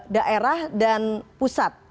daerah dan pusat